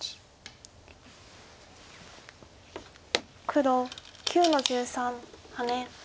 黒９の十三ハネ。